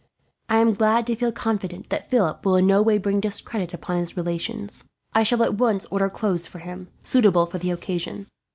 I am glad to feel confident that Philip will in no way bring discredit upon his relations. "I shall at once order clothes for him, suitable for the occasion.